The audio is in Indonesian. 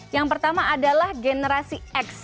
yang pertama adalah generasi x